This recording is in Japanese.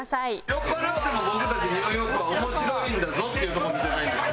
酔っ払っても僕たちニューヨークは面白いんだぞっていうとこ見せたいんですよ。